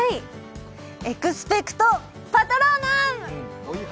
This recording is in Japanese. エクスペクト・パトローナム！